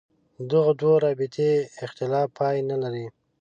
دغو دوو رابطې اختلاف پای نه لري.